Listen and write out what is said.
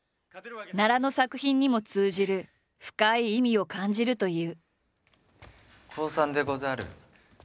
奈良の作品にも通じる深い意味を感じるという。